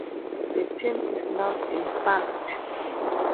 The team is now defunct.